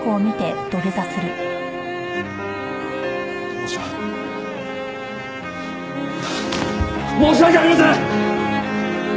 申し訳申し訳ありません！